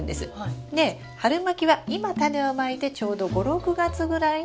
で春まきは今タネをまいてちょうど５６月ぐらいに収穫できるんですよ。